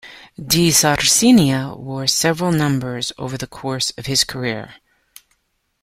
DiSarcina wore several numbers over the course of his career.